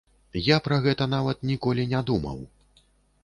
Я пра гэта нават ніколі не думаў.